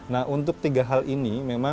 nah untuk penyebab dari lensubsidence sendiri